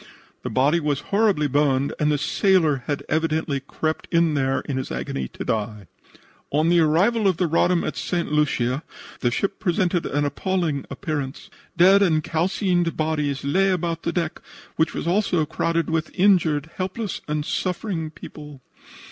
The body was horribly burned and the sailor had evidently crept in there in his agony to die. "On the arrival of the Roddam at St. Lucia the ship presented an appalling appearance. Dead and calcined bodies lay about the deck, which was also crowded with injured helpless and suffering people.